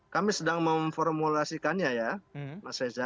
kami sedang memformulasikannya ya mas reza